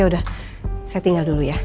udah saya tinggal dulu ya